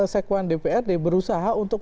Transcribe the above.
sekwan dprd berusaha untuk